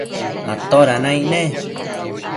¿atoda naic ne?